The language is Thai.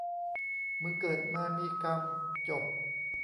มึงเกิดมามีกรรม จบ.